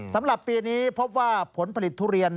สำหรับปีนี้พบว่าผลผลิตทุเรียน